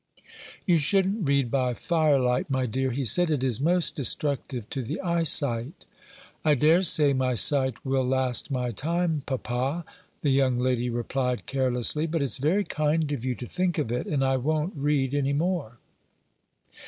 "You shouldn't read by firelight, my dear," he said; "it is most destructive to the eyesight." "I dare say my sight will last my time, papa," the young lady replied carelessly; "but it's very kind of you to think of it, and I won't read any more."